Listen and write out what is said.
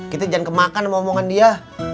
kita jangan kemakan omongan dia